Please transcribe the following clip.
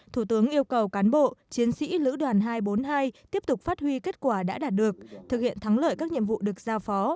thủ tướng yêu cầu cán bộ chiến sĩ lữ đoàn hai trăm bốn mươi hai tiếp tục phát huy kết quả đã đạt được thực hiện thắng lợi các nhiệm vụ được giao phó